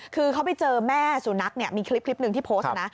คือเขาไปเจอแม่สุนัขเนี่ยมีคลิปหนึ่งที่โพสต์นะ